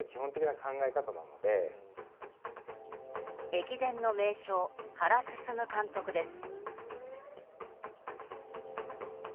駅伝の名将、原晋監督です。